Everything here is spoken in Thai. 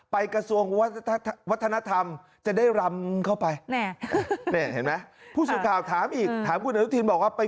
ไปกระทรวงวัฒนธรรมจะได้รำเข้าไป